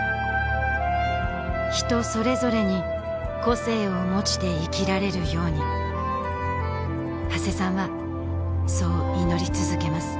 人それぞれに個性を持ちて生きられるように長谷さんはそう祈り続けます